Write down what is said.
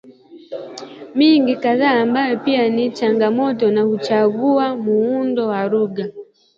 mingine kadha ambayo pia ni changamano na huchagua muundo wa lugha